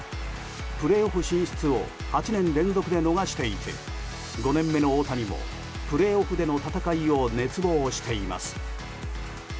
プレーオフ進出を８年連続で逃していて５年目の大谷もプレーオフでの戦いを熱望しています。